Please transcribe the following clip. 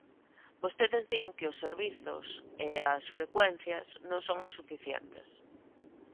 Vostedes din que os servizos e as frecuencias non son as suficientes.